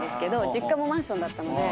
実家もマンションだったので。